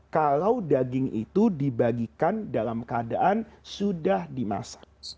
kalau daging itu dibagikan dalam keadaan sudah dimasak